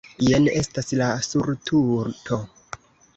jen estas la surtuto!